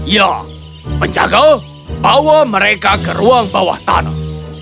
ya penjaga bawa mereka ke ruang bawah tanah